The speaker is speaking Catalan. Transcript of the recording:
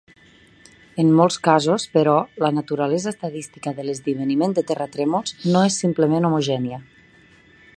En molts casos, però, la naturalesa estadística de l'esdeveniment de terratrèmols no és simplement homogènia.